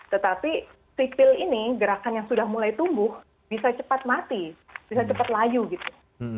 tetapi sipil ini gerakan yang sudah mulai tumbuh bisa cepat mati bisa cepat layu gitu